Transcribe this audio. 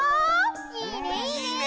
いいねいいね！